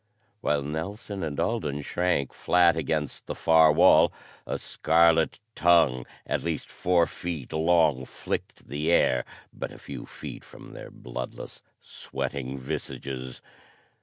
While Nelson and Alden shrank flat against the far wall, a scarlet tongue at least four feet long flicked the air but a few feet from their bloodless, sweating visages.